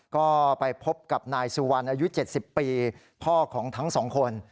ก็ไปพบกับนายสุวรรณอายุ๗๐ปีพ่อของทั้งสองคน